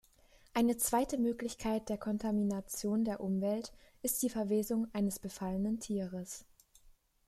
Eine zweite Möglichkeit der Kontamination der Umwelt ist die Verwesung eines befallenen Tieres.